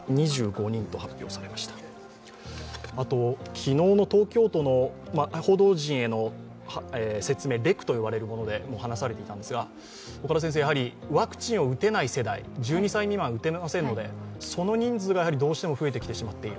昨日の東京都の報道陣への説明でも話されていたんですがワクチンを打てない世代、１２歳未満は打てませんのでその人数がどうしても増えてきてしまっている。